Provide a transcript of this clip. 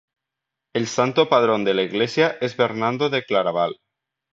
El santo patrón de la iglesia es Bernardo de Claraval.